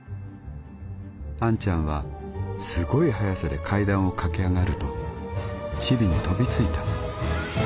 あんちゃんはすごい速さで階段を駆け上がるとチビに飛びついた。